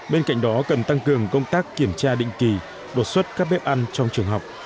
bên cạnh đó cần tăng cường công tác kiểm tra định kỳ đột xuất các bếp ăn trong trường học